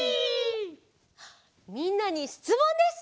みんなにしつもんです！